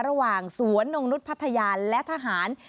ระหว่างสวนนงนุษย์พัทยาและทหาร